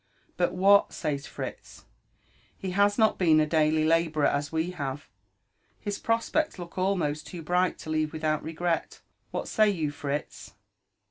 But what says Fritz ? He has not been adailf labourer, as we have — his prospect look almost loo bright to leave without regret. What say you, Fritz?